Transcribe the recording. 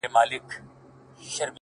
دلته ولور گټمه-